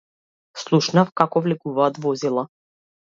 Слушнав како влегуваат возила.